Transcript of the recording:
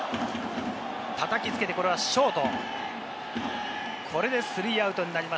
たたきつけて、これはショート。